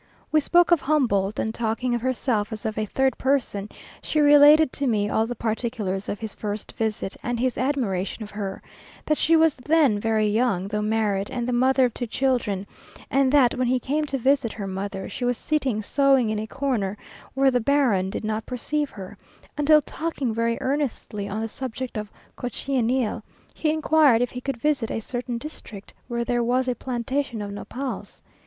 We spoke of Humboldt, and talking of herself as of a third person, she related to me all the particulars of his first visit, and his admiration of her; that she was then very young, though married, and the mother of two children, and that when he came to visit her mother, she was sitting sewing in a corner where the baron did not perceive her; until talking very earnestly on the subject of cochineal, he inquired if he could visit a certain district where there was a plantation of nopals.